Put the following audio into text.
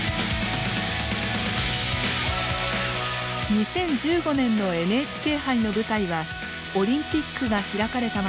２０１５年のＮＨＫ杯の舞台はオリンピックが開かれた街